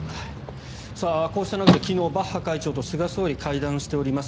こうした中で昨日バッハ会長と菅総理会談しております。